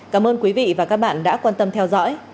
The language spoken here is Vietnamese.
cảm ơn quý vị và các bạn đã quan tâm theo dõi